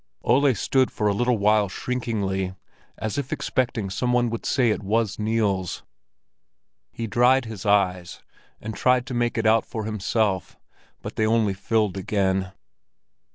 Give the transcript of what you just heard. Ole stood for a little while shrinkingly, as if expecting that some one would say it was Niels. He dried his eyes, and tried to make it out for himself, but they only filled again.